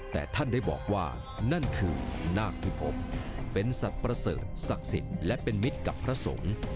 แต่ท่านได้บอกว่านั่นคือนาคที่พบเป็นสัตว์ประเสริฐศักดิ์สิทธิ์และเป็นมิตรกับพระสงฆ์